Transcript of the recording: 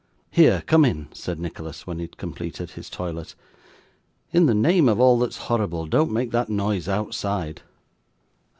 'Here, come in,' said Nicholas, when he had completed his toilet. 'In the name of all that's horrible, don't make that noise outside.